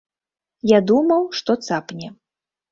Я думаў, што цапне.